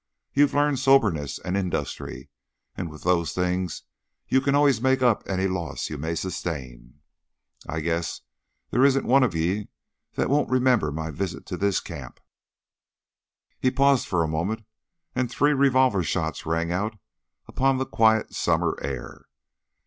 "You've learned soberness and industry, and with those things you can always make up any loss you may sustain. I guess there isn't one of ye that won't remember my visit to this camp." He paused for a moment, and three revolver shots rang out upon the quiet summer air.